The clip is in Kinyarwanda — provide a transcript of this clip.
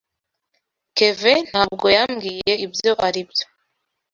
Kevin ntabwo yambwiye ibyo aribyo.